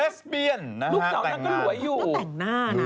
เลสเบียนลูกสาวนั้นก็หลวยอยู่ต้องแต่งหน้านะ